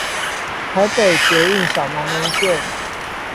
台北捷運小南門線